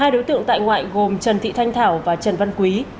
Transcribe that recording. hai đối tượng tại ngoại gồm trần thị thanh thảo và trần văn quý